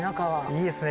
いいですね